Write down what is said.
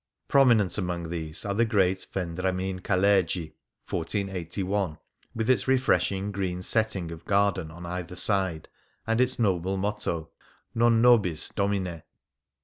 Prominent among these are the great Vendramin Calergi (1481), with its refreshing green setting of garden on either side, and its noble motto, " NON NOBIS domine" (Ps.